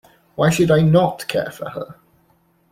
Why should I not care for her?